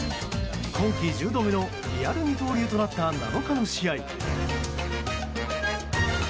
今季１０度目のリアル二刀流となった７日の試合。